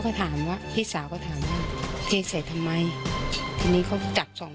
ก็ถามว่าพี่สาวก็ถามว่าเทใส่ทำไมทีนี้เขาจับสอง